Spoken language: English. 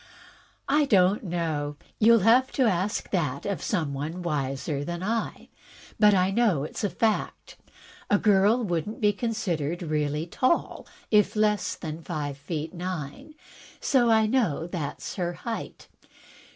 " I don't know. You'll have to ask that of some one wiser than I. But I know it's a fact. A girl would n't be considered really tall if less than five feet nine. So I know that's her height.